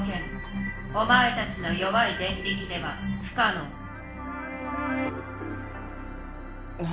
お前たちの弱いデンリキではふかのう。